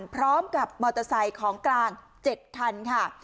พร้อมกับมอเตอร์ไซค์ของกลาง๗คันค่ะ